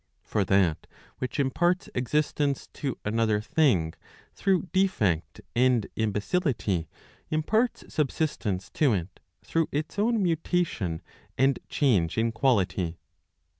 For that which imparts existence to. another thing through defect and imbecility, imparts subsistence to it, through its. own mutation and change in quality.